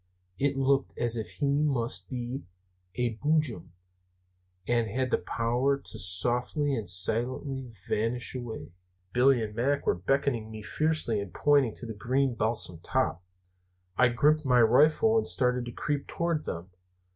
It looked as if he must be a Boojum, and had the power to 'softly and silently vanish away.' "Billy and Mac were beckoning to me fiercely and pointing to the green balsam top. I gripped my rifle and started to creep toward them.